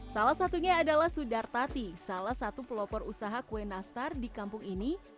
salah satunya adalah sudartati salah satu pelopor usaha kue nastar di kampung ini